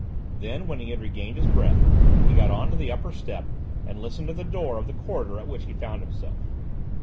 Then, when he had regained his breath, he got on to the upper step and listened at the door of the corridor at which he found himself.